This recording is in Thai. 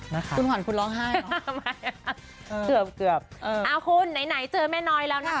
นะคะคุณขวัญคุณร้องไห้เนอะทำไมเกือบเกือบเอออ่าคุณไหนไหนเจอแม่น้อยแล้วนะคะ